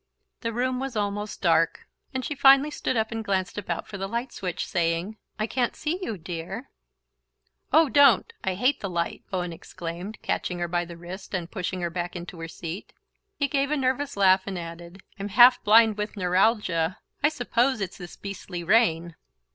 The room was almost dark, and she finally stood up and glanced about for the light switch, saying: "I can't see you, dear." "Oh, don't I hate the light!" Owen exclaimed, catching her by the wrist and pushing her back into her seat. He gave a nervous laugh and added: "I'm half blind with neuralgia. I suppose it's this beastly rain."